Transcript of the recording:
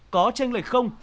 có tranh lệch không